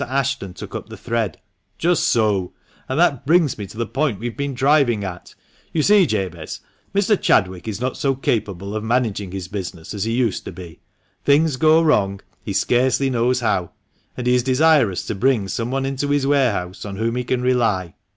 Ashton took up the thread —" Just so ! and that brings me to the point we have been driving at. You see, Jabez, Mr. Chadwick is not so capable of managing his business as he used to be ; things go wrong he scarcely knows how, and he is desirous to bring some one into his warehouse on whom he can rely.